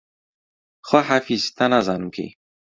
خواحافیز تا نازانم کەی